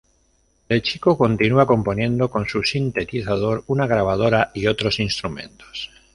De chico continúa componiendo con su sintetizador, una grabadora y otros instrumentos.